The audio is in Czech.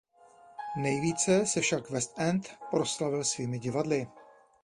Nejvíce se však West End proslavil svými divadly.